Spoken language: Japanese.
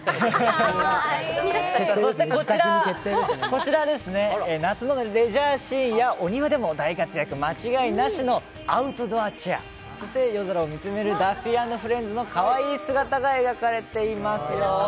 こちら夏のレジャーシーンやお庭でも大活躍間違いなしのアウトドアチェア、夜空を見つめるダッフィー＆フレンズのかわいい姿が描かれていますよ。